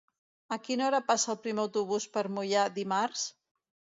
A quina hora passa el primer autobús per Moià dimarts?